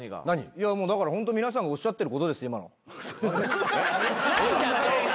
いやもうだからホント皆さんがおっしゃってることです。